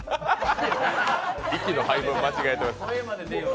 息の配分間違えてます。